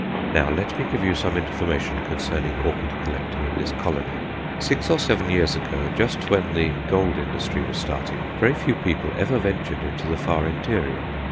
Now let me give you some information concerning orchid collecting in this colony. Six or seven years ago, just when the gold industry was starting, very few people ever ventured in the far interior.